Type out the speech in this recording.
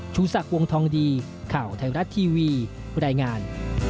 ชูศักดิ์วงทองดีข่าวไทยรัฐทีวีรายงาน